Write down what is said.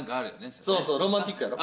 そうそうロマンチックやろ？